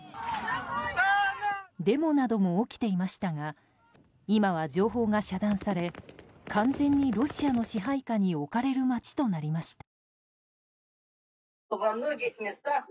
デモなども起きていましたが今は情報が遮断され完全にロシアの支配下に置かれる街となりました。